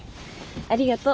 ありがとう。